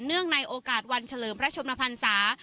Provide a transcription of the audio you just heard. ในโอกาสวันเฉลิมพระชมพันศา